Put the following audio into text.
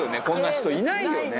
こんな人いないよね。